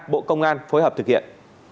bộ công an phối hợp thực hiện